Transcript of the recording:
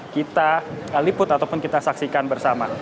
kita liput ataupun kita saksikan bersama